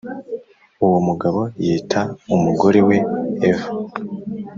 Uwo mugabo yita umugore we Eva